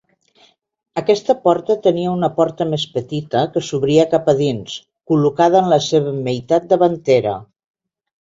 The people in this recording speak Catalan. Aquesta porta tenia una porta més petita, que s'obria cap a dins, col·locada en la seva meitat davantera.